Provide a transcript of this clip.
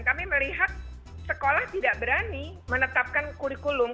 kami melihat sekolah tidak berani menetapkan kurikulum